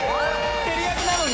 照り焼きなのに？